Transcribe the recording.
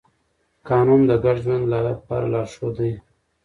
قانون د ګډ ژوند لپاره لارښود دی.